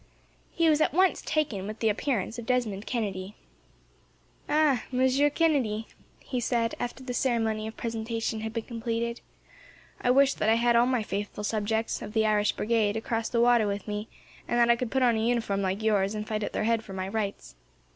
He was at once taken with the appearance of Desmond Kennedy. "Ah, Monsieur Kennedy," he said, after the ceremony of presentation had been completed; "I wish that I had all my faithful subjects, of the Irish Brigade, across the water with me; and that I could put on a uniform like yours, and fight at their head for my rights."